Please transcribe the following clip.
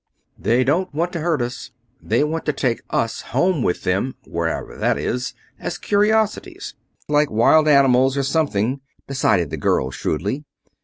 "They don't want to hurt us. They want to take us home with them, wherever that is, as curiosities, like wild animals or something," decided the girl, shrewdly.